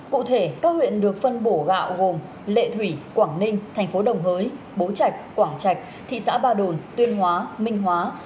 cụ thể các huyện được phân bổ gạo gồm lệ thủy quảng ninh thành phố đồng hới bố trạch quảng trạch thị xã ba đồn tuyên hóa minh hóa